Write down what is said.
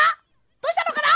どうしたのかな！？